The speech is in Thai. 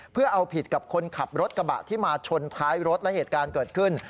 เพื่อเอาผิดกับคนขับรถกระบะที่มาชนท้ายรถและเหตุการณ์เกิดขึ้น